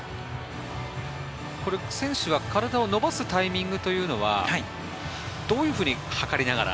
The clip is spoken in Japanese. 選手は体を伸ばすタイミングというのは、どういうふうに図りながら。